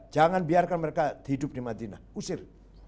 jangan biarkan mereka hidup di madinah usir